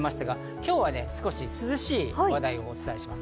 今日は少し涼しい話題をお伝えします。